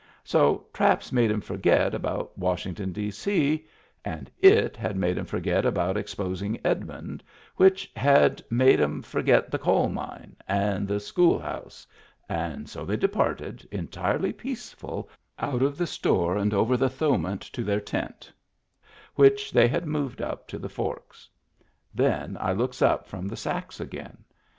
So traps made 'em forget about Washington, D.C., and it had made 'em forget about exposin' Edmund, which had made 'em forget the coal mine and the school house, and so they departed entirely peaceful out of the store and over the Thowmet to their tent, which they had moved up to the Forks, Then I looks up from the sacks again.